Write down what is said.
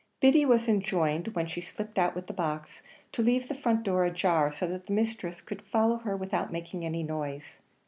Biddy was enjoined, when she slipped out with the box, to leave the front door ajar, so that her mistress could follow her without making any noise.